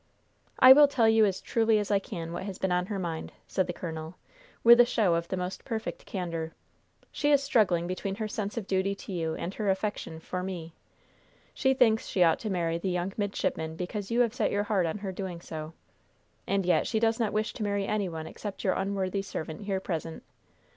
"I will tell you as truly as I can what has been on her mind," said the colonel, with a show of the most perfect candor. "She is struggling between her sense of duty to you and her affection for me. She thinks she ought to marry the young midshipman because you have set your heart on her doing so; and yet she does not wish to marry any one except your unworthy servant here present.